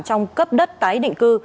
trong cấp đất tái định cư